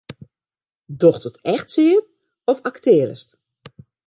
Docht it echt sear of aktearrest?